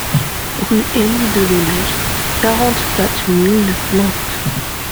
Rue Élie Delaunay, quarante-quatre mille Nantes